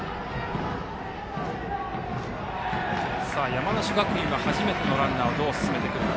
山梨学院は初めてのランナーをどう進めていくか。